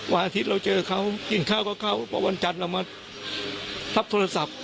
อาทิตย์เราเจอเขากินข้าวกับเขาเพราะวันจันทร์เรามารับโทรศัพท์